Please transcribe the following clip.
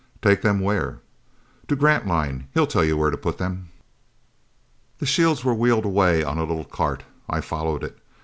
"Take them where?" "To Grantline. He'll tell you where to put them." The shields were wheeled away on a little cart. I followed it.